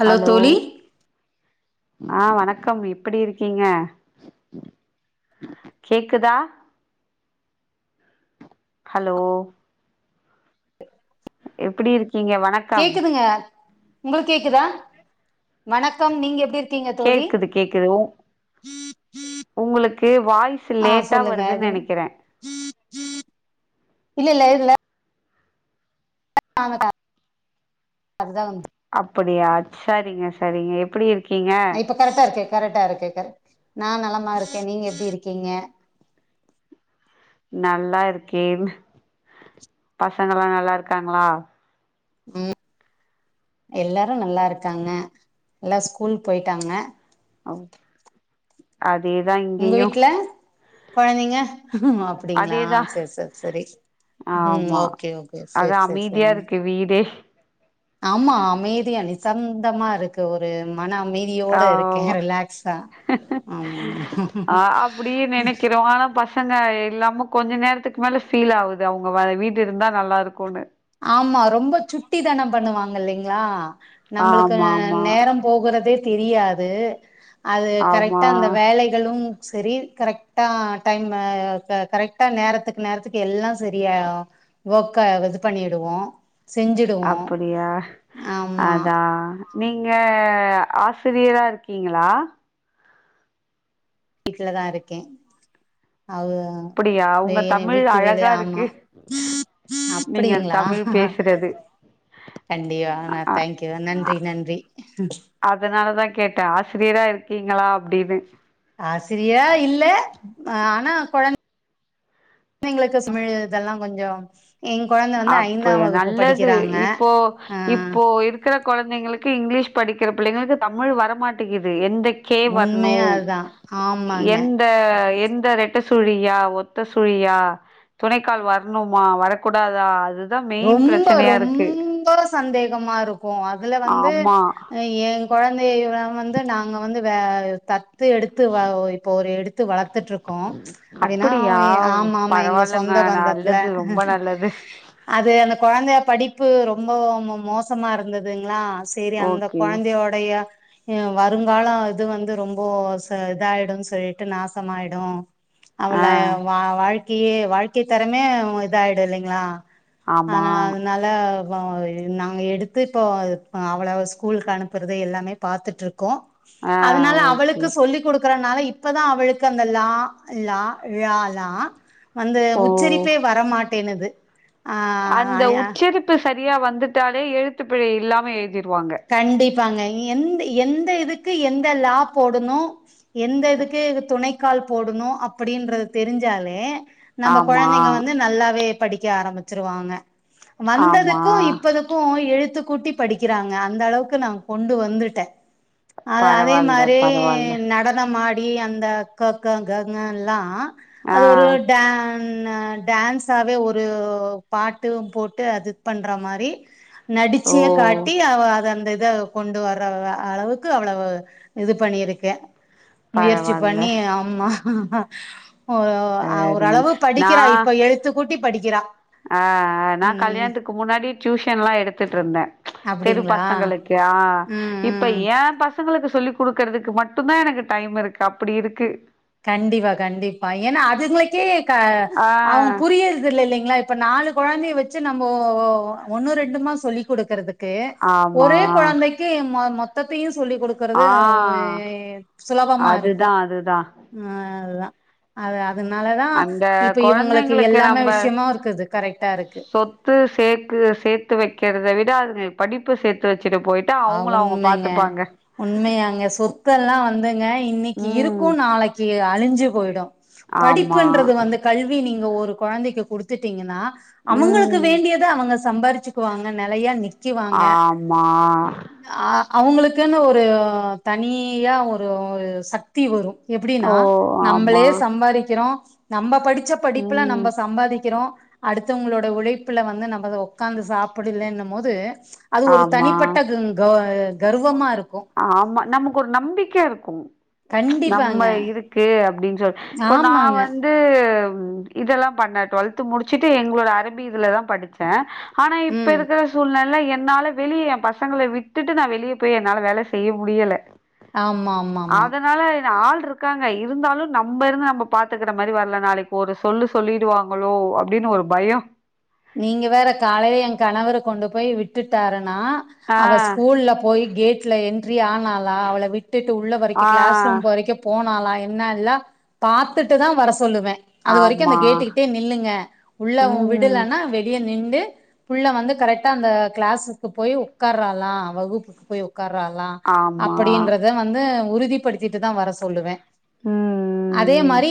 Hello தோழி, ஆ வணக்கம் எப்டி இருக்கீங்க கேக்குதா ஹலோ எப்டி இருக் கேக்குதுங்க உங்களுக் கேக்குதா வணக்கம் நீங்க எப்டிருக் கேக்குது கேக்குது உ உங்களுக் கேவ் ஆ சொல்லுங்க எதுன்னு இல்லல்ல இதுல [inaudible] அதுதா வந் அப்படியா சரிங்க செரிங்க எப்டிருக் இப்ப கரெக்டா இருக்கே கரெக்டாருக்கு கரெக் நா நலமாருக்கே நீங்க எப்டிருக்கீங்க நல்லா இருக்கேன் பசங்கலா நல்லாருக்காங்ளா ம் எல்லாரூ நல்லாருக்காங்க எல்லா ஸ்கூல் போயிட்டாங்க ஓ அத் தேதா இங்கேயூ கொழந்தங்க அப்படிங்களா சரி சரி சரி ம் ஆமா ஓகே ஓகே அதா சரி சரி அமைதியா சரிங்க இருக்கு வீடே ஆமா அமைதியா நிசந்தமா இருக்கு ஒரு மன அமைதியோட இருக்கேன் ஆ ரிலாக்ஸா ஆமா ஆஹ் அப்புடியே நினைக்கிறோம் ஆனா பச பசங்க இல்லாம கொஞ்ச நேரத்துக்கு மேல ஃபீல் ஆகுது அவங்க வீட்டு இருந்தா நல்லா இருக்கும்னு ஆமா ரொம்ப சுட்டி தனம் பண்ணுவாங்க இல்லைங்களா நம்மளுக்கு ஆமா ஆமா நேரம் போகறதே தெரியாது அது ஆமா கரெக்டா அந்த வேலைகளும் சரி கரெக்டா டைம் கரெக்ட்டா நேரத்துக்கு நேரத்துக்கு எல்லாம் சரியா [unintelligible] பண்ணிடுவோ செஞ்சிடுவோ அப்புடியா ஆமா அதான் நீங்க ஆசிரியரா இருக்கீங்களா வீட்டுலதான் இருக்கேன் அ அப்படியா உங்க என் தமிழ் வீட்டு வேல அழகா இருக்கு ஆமாம் நீங்கள் அப்படிங்களா தமிழ் பேசுறது கண்டிப்பா ந அ தேங்க்யூ அ நன்றி நன்றி கேட்ட ஆசிரியரா இருக்கீங்களா அப்டின்னு ஆசிரியா இல்ல ஹ ஆனா குழந்தை குழந்தைங்களுக்கு தமிழ் இதெல்லாம் கொஞ்சம் அப்படிய நல்லது இப்போ ஆ இப்போ இருக்கிற குழந்தைங்களுக் கு இங்கிலீஷ் படிக்கிற பிள்ளைங்களுக்கு தமிழ் வரமாட்டேங்குது எந்த கே உண்மையா வரணும் அதுதா ஆமாங்க எந்த எந்த ரெட்ட சுழியா ஒத்த சுழியா துணைக்கால் வரணுமா வரக்கூ டதா அது ரொம்ப ரொம்ப சந்தேகமா இருக்கு அதுல வந்து ஆமா எ கொழந்தைய வந்து நாங்க வந்து வே தத் து எடுத்து வ இப்போ ஒரு எட் த்து வளத்துட்டு இருக்கோ ப்ச் அப்டின்னா அப்படியா ஆமா ஆமா எங்க பரவாயில்லங்க சொந்த பந்தத்துல நல்லது ரொம்ப நல்லது அந்த கொழந்த படிப்பு ரொம்ப மோசமா இருந்ததுங்ளா சேரி அந்த ஓகே கொழந்தையோடைய ய வருங்காலோ இது வந்து ரொம்ப இதாயிடுன் சொல்டு நாசமாயிடு அவள ஆ வா வாழ் கையே வாழ்க்கை தரமே இதாயிடு இல்லைங்ளா ஆமா ஆனா அதனால நாங்க எடுத்து இப்பொ அவள ஸ்கூலுக்கு அனுப்புறது எல்லாமே பாத்துட்ருக்கோ கோ ஆ அதனால ஓகே அவளுக்கு சொல்லிக்குடு இருக்கறனால இப்பதா அவளுக்கு அந்த லா ளா ழ வந்து ஓ உச்சரிப்பே வர மாட் டேனுது அந்த உச்சரிப்பு சரியா வந்துட்டாலே எழுத்துப்பிழை இல்லாம எழுதி கண்டிப்பாங்க எந்த எந்த இதுக் கு எந்த லா போடணு எந்த இதுக்கு துணை கால் போடணு அப்படின்றது தெரிஞ்சாலே நம்ப ஆமா கொழந்தைங்க வந்து நல்லாவே படிக்க ஆரம்பிச்சிருவாங்க ஆமா வந்ததுக்கும் இப்பதுக்கும் எழுத்து கூட்டி படிக்கிறாங் க அந்த அளவுக்கு நா கொண்டு வந்துட்டே அது அதே பரவால்ல மாரி பரவால்ல நடனமாடி அப்டி அந்த கக ஙங லா ஆ அது ஒரு டா டான்ஸாவே ஒரு பாட்டு போட்டு அது பண்ற மாரி ஓ நடிச்சே காட்டு அத அந்த இத கொண்டு வர்ற அளவுக்கு அவ்வளவு இது பண்ணியிருக்கே முயற்சி பரவால்ல பண்ணி ஆமா ஓ சரி ஓரளவு நா படிக்கிறா இப்ப எழுத்துக்கூட் [unintelligible] படிக்கிறா ஆ நா ம் கல்யாணத்துக்கு முன்னாடி டியூஷன்லா எடுத்துட்டுருந்தே தெரு அப்டிங்களா பசங்களுக்கு ஆ ம் இப்ப ம் ஏம் பசங்களு பசங்ளுக்கு சொல்லி் கொடுக்கறதுக்கு மட்டும்தான் எனக்கு டைம் இருக்கு அப்டி இருக்கு கண்டிப்பா கண்டிப்பா ஏன்னா அதுங்களுக்கே க அவங் ஆ புரியறது இல்லைங்களா இப்ப நாலு குழந்தைய வச்சு நம்ம ஒன்னு ரெண்டுமா சொல்லி கொடுக்கறது ஓகே ஆமா ஒரே குழந்தைக்கு மொ மொத்த [unintelligible] சொல்லி் கொடுக்கறது ஆ அவங்க சுலபமா அதுதா இருக்கும் அதுதா ம்ஹா அதுதா அதா அந்த குழந்தைங்களுக்கு எல்லாமே நம்ம விஷயமா இருக்குது கரெக்டா இருக்கு சொத்து சேர்க்கு சேர்த்து வைக்கிறத விட விட படிப்பு சேர்த்து வச்சு அது உண்மைங்க உண்மையாங்க சொத்தெல்லாம் வந்துங்க இன்னைக்கு ம் இருக்கும் நாளைக்கு அழிஞ்சு போயிடும் ஆமா படிப்புன்றது வந்து கல்வி நீங் இந்த ஒரு குழந்தைக்கு கொடுத்துட்டீங்கன்னா அவங்களுக்கு ம் வேண்டியது அவங்க சம்பாதிச்சுக்குவாங்க நிலையா நிக் ஆமா அ அவங்களுக்குன்னு ஒரு தனியா ஒரு சக்தி வரும் எப்டின்னா ஓ ஆமா நம்மளே சம்பாதிக்கிறோ நம்ம படிக் படிச்ச படிப்புல ம் நம்ம சம்பாதிக்கிறோம் அடுத்தவங்களோட உழைப்புல வந்து நம்ம உட்காந்து சாப் அப்டி இல்லேன்னுபோது அது ஒரு ஆமா தனிப்பட் [unintelligible] கர்வமா இருக்கு ஆமா நமக்கு ஒரு நம்பிக்கை இருக்கும் நம்ம கண்டிப்பாங்க. இருக்கு அப்படின்னு சொ இப்போ நான் ஆமாங்க. வந்து ம் இதெல்லாம் பண்ணேன் டுவெல்த் முடிச்சுட்டு எங்களோட அரபி இதுலதான் படிச்சேன் ஆனா இப்ப ம். இருக்கிற சூழ்நிலைலே என் என்னால வெளியே என் பசங்களை விட்டுட்டு நான் வெளியே போய் என்னால வேலை செய்ய முடியலை ஆமா ஆமா ஆமா ஆள் இருக்காங்க இருந்தாலும் நம்ம இருந்து நம்ம பார்த்துக்கிற மாதிரி வரல நாளைக்கு ஒரு சொல்லு சொல்லிடுவாங்களோ அப்படின்னு ஒரு பயம் நீங்க வேற காலையில என் கணவரை கொண்டு போய் விட்டுட்டாரு நான் ஆ அவ ஸ்கூல்ல போய் கேட்ல என் என்ட்ரி ஆனாளா அவளை விட்டுட்டு உள்ளே ஆ வரைக்கும் கிளாஸ் ரூம் வரைக்கும் போனாளா என்ன இல்ல பார்த்துட்டு தான் வர சொல்லுவேன் அது வரைக்கும் அந்த ஆமா கேட்டுக்கிட்டேயே நில்லுங்க உள்ள ம் விடலன்னா நின்று உள்ளே வந்து கரெக்டா அந்த கிளாஸுக்கு போய் உட்காராளா வகுப்புக்கு போய் உட்காராளா ஆமா அப்படின்றத வந்து உறுதிப்படுத்திட்டு தான் வர சொல்லுவேன் ம் ம் அதே ம் மாதிரி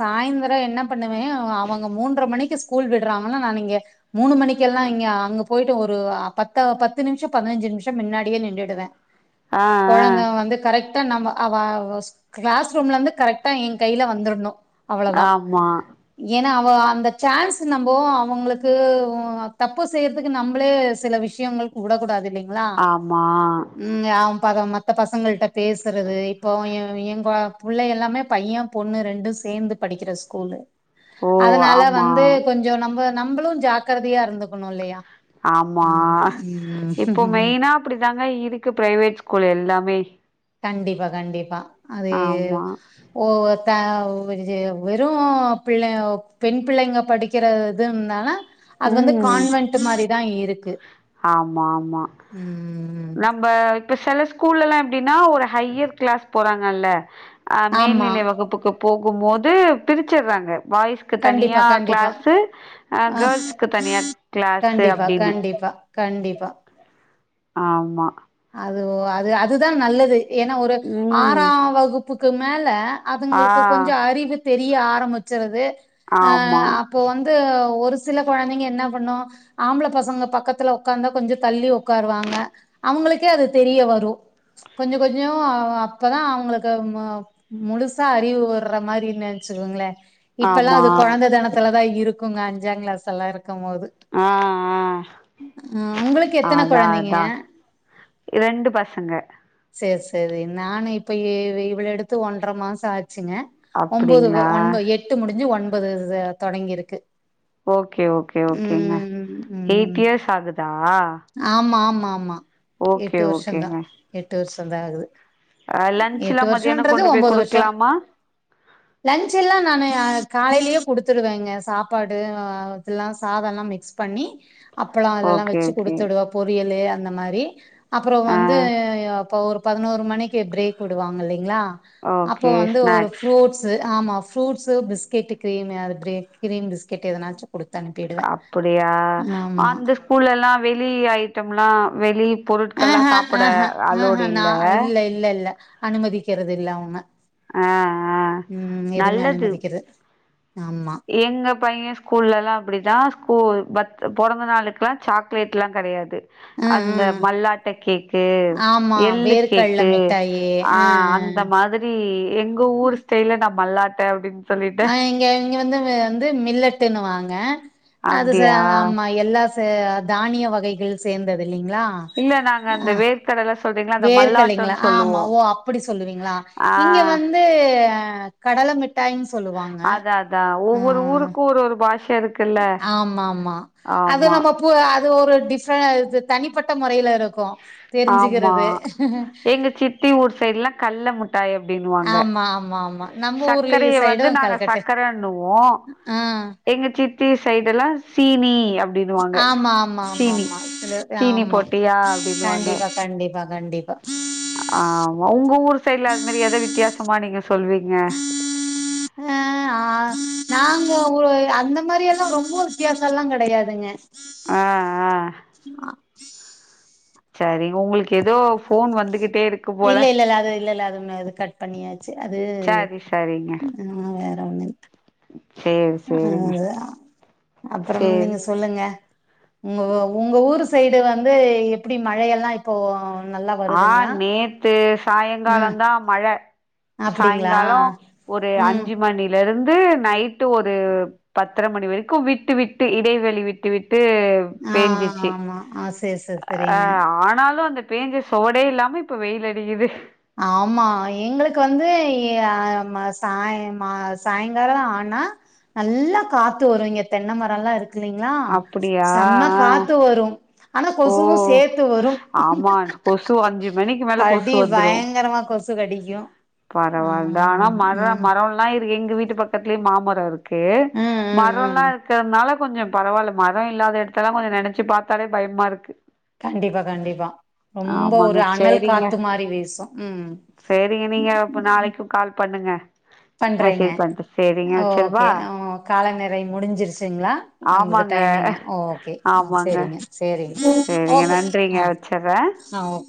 சாயந்திரம் என்ன பண்ணுவேன் அவங்க மூன்றை மணிக்கு ஸ்கூல் விடுறாங்க நான் இங்க மூணு மணிக்கெல்லாம் இங்க அங்க போயிட்டு ஒரு பத்த பத்து நிமிஷம் பதினஞ்சு நிமிஷம் மின்னாடியே நின்னுடுவேன் ஆ ஆ கொழந்த வந்து கரெக்ட் நம்ம அவ கிளாஸ் ரூம்ல இருந்து கரெக்டா என் கையில வந்துடணும் அவ்வளவு தான் ஆமா ஏன்னா இப்ப அந்த சான்ஸ் நம் இப்போ அவங்களுக்கு தப்பு செய்யறதுக்கு நம்மளே சில விஷயங்களுக்கு விடக்கூடாது இல்லைங்க ஆமா ப மத்த பசங்கள்ட்ட பேசுறது இப்போ எங்க புள்ளை எல்லாம் எல்லாமே பையன் பொண்ணு ரெண்டும் சேர்ந்து படிக்கிற ஸ்கூலு ஓ அதனால ஆமா வந்து நம்ம நம்மளும் ஜாக்கிரதையா இருந்துக்கணும் இல்லையா ஆமா ம் இப்போ ம் மெயினா அப்படிதாங்க இருக்கு பிரைவேட் ஸ்கூல் எல்லாமே கண்டிப்பா கண்டிப்பா அது ஆமா ஓ த வெறு பிள்ள பெண் பிள்ளைங்க படிக்கிற இதுன்னால அது வந்து ம் கான்வென்ட் மாரிதா இருக்கு ம் நம்ம இப்ப செல ஸ்கூல்லலா எப்டினா ஒரு ஹையர் கிளாஸ் போறாங்கல்ல ஆ ஆமா மேல்நிலை வகுப்புக்கு போ கும் போது பிரிச்சிர்றாங்க பாய்ஸ்க்கு கண்டிப்பா தனியா கண்டிப்பா கிளாஸு அ ஆ கேள்ஸ்க்கு தனியா கிளாஸு அப்டின்னு பா ஆமா அது அது அதுதா நல்லது ஏன்னா ஒரு ஆறா ம் வகுப் புக்கும் மேல ஆ அதுங்களுக்கு கொஞ்சோ அறிவு தெரிய ஆர முச்சறது அஹ் ஆமா அப்போ வந்து ஒரு சில கொழந்தைங்க என்ன பண்ணோ ஆம்பள பசங்க பக்கத்துல உக்காந்தா கொஞ்சொ தள்ளி ஒக்காருவாங்க அவுங்களுக்கே அது தெரிய வரோ கொஞ்சொ கொஞ்சொ அ அப்பதா அவங்களுக்கு முழுசா அறிவு வற்ற மாரி நெனச்சுக்கோங்களே இப்பல்லா ஆமா அது கொழந்த தனத்துல தா இருக்கோங்க அஞ்சாங் கிளாஸ் எல்லா இருக் க்கும் போது ஆ ஆ ம் உங்களுக்கு எத்தன குழந்தைங்க இரண்டு பசங்க சேர் சேரி நானு இப்ப இ இவ் இவ்வள எடுத்து ஒன்றர மாசோ ஆச் ச்சுங்க ஒம்போது ஒ அப்டிங்களா ஒன்ப எட்டு முடிஞ்சு இது ஒன்பது ச தொடங்கி இருக்கு ஓகே ஓகே ஓகேங்க எய்ட் ம் இயர்ஸ் ஆகுதா ஆமா ஆமா ஆமா ஓகே எட்டு வருஷந்தா ஓகேங்க எட்டு வருஷோ தா ஆகுது அ லன்ச்லா எட்டு மதியானோ வருஷோன்றது கொண்டு போய் ஒம்போது வருஷோ குடுக்கலாமா லன்ச்சுலா நானு காலைலியே குடுத்துடுவேங்க சாப்பாடு அ இதெல்லா சாதொல்லா மிக்ஸ் பண்ணி அப்பளோ அதெல்லா ஓகே வெச்சு ஓகே குடுத்துடுவா பொரியலு அந்த மாரி அப்ரோம் ஆ வந்து அப்போ ஒரு பதினோரு மணிக்கு பிரேக் விடுவாங்க இல்லலைங்களா அப்போ ஓகே வந்து ஒரு ஸ்நாக்ஸ் ஃரூட்ஸ் ஆமா ப்ரூட்ஸ்சு பிஸ்கட்டுக்கு கிரீம் அது கிரீம் பிஸ்கட் எதனாச்சும் அப்படியா ஆமா அந்த ஸ்கூல்ல எல்லா வெளி ஐட்டம் எல்லா வெளி பொருட்கள் எல்லா சாப்பிட ம்ஹ ஹ நா இல்ல இல்ல இல்ல அனுமதிகறது இல்ல அவுங்க ஆஹ் ஆஹ் நல்லது அனுமதிக்கிறது ஆமா எங்க பையன் ஸ்கூல்ல எல்லா அப்டிதா ஸ்கூல் பொறந்த நாளுக்குலா சாக்லேட் எல்லா கெடையாது ம் அந்த ம் மல்லாட்ட கேக்கு ஆமா எள்ளு வேர்க்கடல கேக்கு மிட்டாயி ஆ ஆஹ் அந்த ஆ மாதிரி எங்க ஊர் ஸ்டைல நா மல்லாட் அப்டின் ஆ எங்க இங்க வந்து வந்து மில்லட்டுன்னுவாங்க அது ச அப்படியா ஆமா எல்லா த தானிய வகைகள் சேந்தது இல்ல நாங்க அந்த வேர்க்கடல வேர்க்கலைங்களா ஆ ஆமா ஓ அப்படி சொல்லுவிங்களா ஆ இங்க வந்து கடல மிட்டாய்னு சொல்லுவாங்க அதான் அதான் ஒவ்வொரு ம் ஊருக்கும் ஒரு ஒரு பாஷை இருக்குல்ல ஆமாமா அது ஆமா நம்ம பு அது ஒரு டிஃப இது தனிப்பட்ட முறைல இருக்கு ஆமா தெரிஞ்சுக்கிறது எங்க சித்தி ஊர் சைடுல்லா கல்ல முட்டாய் அப்டினுவாங்க ஆமா ஆமா ஆமா நம்ம ஊர்லயே சக்கரைய வந்து சைடும் நாங்க கல்கட்டு சக்கரண்ணுவோ ஆ எங்க சித்தி தி சைடெல்லா சீனி அப் டின்னுவாங்க ஆமா ஆமா ஆமா சீனி ஆமா சில சீனி ஆமா போட்டியா அப்டி கண்டிப்பா கண்டிப்பா கண்டிப்பா ஆமா உங்க ஊர் சைட்ல அது மாரி எத வித்தியாசமா நீங்க சொல்விங்க ஆ ஆ நாங்க ஒ அந்த மாரி எல்லா ரொம்ப வித்தியாச எல்லா கெடையாதுங்க ஆ ஆ சரி உங்களுக்கு எதோ இல்ல இல்ல இல்ல அது இல்ல இல்ல அது ன் அது கட் பண்ணியாச்சு அது சரி சரிங்க ஆ வேற ஒன்னு சேரி ஆ சேரிங்க அப்பறம் சேரி நீங்க சொல்லுங்க உங்க உங்க ஊரு சைடு வந்து எப்டி மழையெல்லா இப்போ நல்லா ஆ வருதுங்களா நேத்து ம் சாயங்காலந்தா மழ அப்டிங்களா சாய்ங்கால ஒரு ம் அஞ்சு மணில இருந்து நைட்டு ஒரு பத்தர மணி வரைக்கு விட்டு விட்டு இடைவெளி விட்டு விட் டு ஆ பேஞ்சிச்சு ஆமா ஆ சேரி சேரி செரிங்க ஆனாலு அந்த பேஞ்ச சொவடே இல்லாம இப்ப வெயில் அடிக்குது ஆமா எங்களுக்கு வந்து அ மா சாய் மா சாய்ங்கால ஆனா நல்லா காத்து வரு இங்க தென்ன மரல்லா இருக்கு கில்லிங்ளா அப்டியா செம ஆ காத்து வரு ஆனா ஓ கொசுவு சேத்து வரு ஆமா கொசு அஞ்சு மணிக்கு மேல கொசு கடி வ பயங்கரமா கொசு கடிக்கு ஆ, பரவால்ல. ஆனா மரம் ம் மரம்லாம் இருக்கு. எங்க வீட்டு பக்கத்துலயே மாமர இருக்கு க்கே ம் ம் மரம்ல்லா இருக்கிறதுனால கொஞ்சோம் பரவில்ல மரம் இல்லாத இடத்தெல்ல கொஞ்சம் நெனைச்சு பாத்தாலே பயம்மா இருக்கு கண்டிப்பா கண்டிப்பா ரொம்ப ஆமாங்க. ஒரு அனல் சரிங்க. காத்து மாரி வீசும் உம் சரிங்க. நீங்க அப்ப நாளைக்கும் கால் பண்ணுங்க. பண்றேங்க மெசேஜ் பண்ட்டு. சரிங்க வச்சிரவா? ஓகே ஓ காலநிறை முடிஞ்சிருச்சுங்களா நமது ஆமாங்க. டைமிங் ஓகே ஆஹ் செரிங்க செரிங்க செரிங்க நன்றிங்க வச்சர்றேன் ஆ ஓகே